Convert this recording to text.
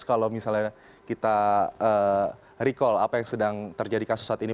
kalau misalnya kita recall apa yang sedang terjadi kasus saat ini